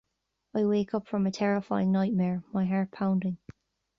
I wake up from a terrifying nightmare, my heart pounding.